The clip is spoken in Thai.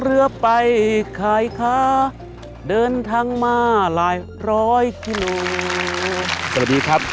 สวัสดีครับท่านผู้ชมที่พร้อมกันนะครับ